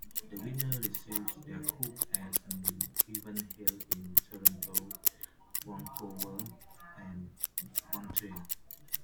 The winners received their Cubes at events held in Toronto, Vancouver, and Montreal.